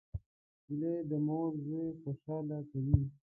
نجلۍ د مور زوی خوشحاله کوي.